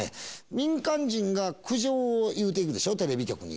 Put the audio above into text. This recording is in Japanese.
民間人が苦情を言うてくるでしょ、テレビ局に。